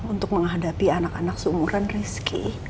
untuk menghadapi anak anak seumuran rizki